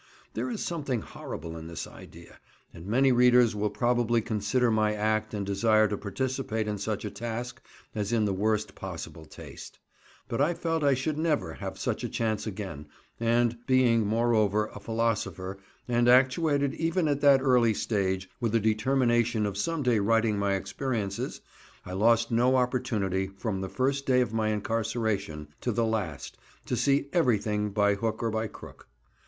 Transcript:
There is something horrible in this idea, and many readers will probably consider my act and desire to participate in such a task as in the worst possible taste, but I felt I should never have such a chance again, and being, moreover, a philosopher, and actuated, even at that early stage, with a determination of some day writing my experiences, I lost no opportunity from the first day of my incarceration to the last to see everything by hook or by crook.